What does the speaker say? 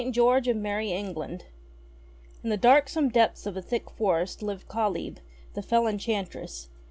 GEORGE OF MERRIE ENGLAND IN the darksome depths of a thick forest Hved Kalyb, the fell enchantress.